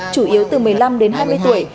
chủ yếu từ một mươi năm đến hai mươi tuổi